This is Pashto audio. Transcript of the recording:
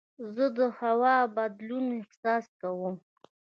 زه د هوا د بدلون احساس کوم.